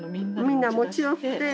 みんな持ち寄って。